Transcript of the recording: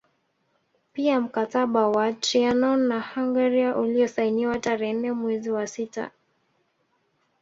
Pia mkataba wa Trianon na Hungaria uliosainiwa tarehe nne mwezi wa sita